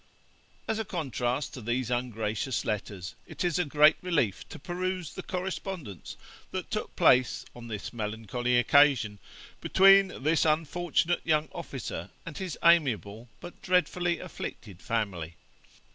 As a contrast to these ungracious letters, it is a great relief to peruse the correspondence that took place, on this melancholy occasion, between this unfortunate young officer and his amiable but dreadfully afflicted family.